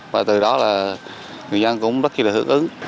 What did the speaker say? và từ đó là người dân cũng rất là hưởng ứng